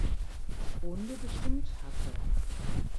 Runde bestimmt hatte.